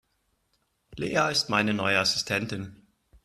Lea ist meine neue Assistentin.